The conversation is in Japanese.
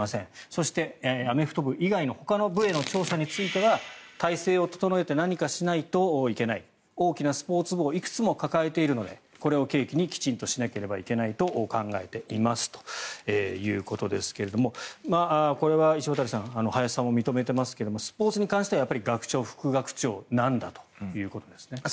そして、アメフト部以外のほかの部への調査については体制を整えて何かしないといけない大きなスポーツ部をいくつも抱えているのでこれを契機にきちんとしていかなければいけないと考えていますということですがこれは石渡さん林さんも認めていますがスポーツに関しては学長、副学長なんだということなんですね。